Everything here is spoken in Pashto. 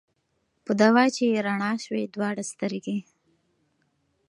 په دوا چي یې رڼا سوې دواړي سترګي